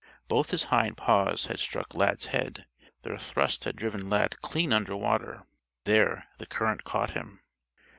Both his hind paws had struck Lad's head, their thrust had driven Lad clean under water. There the current caught him.